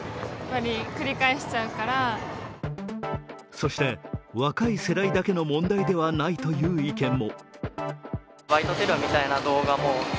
そして若い世代だけの問題ではないという意見も。